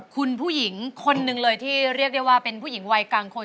คุณผู้หญิงคนหนึ่งเลยที่เรียกได้ว่าเป็นผู้หญิงวัยกลางคน